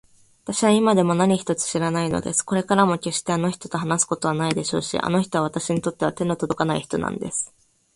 わたしは今でも何一つ知らないのです。これからもけっしてあの人と話すことはないでしょうし、あの人はわたしにとっては手のとどかない人なんです。